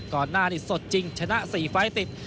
ก่อนหน้านี้สดจริงชนะ๔ไฟล์ติด